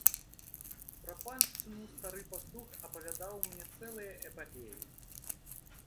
Пра паншчыну стары пастух апавядаў мне цэлыя эпапеі.